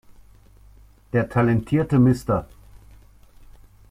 Der talentierte Mr.